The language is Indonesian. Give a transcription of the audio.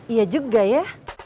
iya juga ya